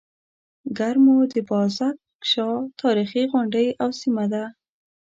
کرمو د بازک شاه تاريخي غونډۍ او سيمه ده.